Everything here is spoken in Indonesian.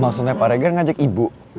maksudnya pak reger ngajak ibu